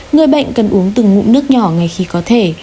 người bệnh cần uống từng ngụm nước nhỏ ngày khi có thể